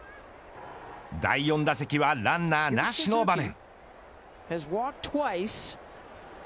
第４打席はランナーなしの場面。